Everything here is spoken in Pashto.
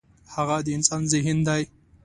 هغه د انسان ذهن دی.